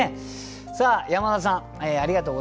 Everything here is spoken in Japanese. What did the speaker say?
さあ山田さんありがとうございました。